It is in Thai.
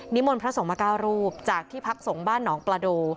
มนต์พระสงฆ์มา๙รูปจากที่พักสงฆ์บ้านหนองประโด